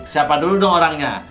siapa dulu dong orangnya